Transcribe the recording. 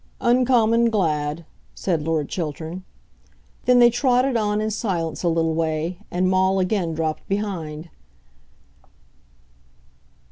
"Uncommon glad," said Lord Chiltern. Then they trotted on in silence a little way, and Maule again dropped behind.